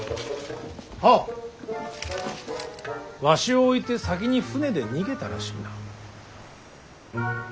わしを置いて先に舟で逃げたらしいな。